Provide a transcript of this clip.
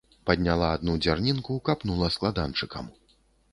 Падняла адну дзярнінку, капанула складанчыкам.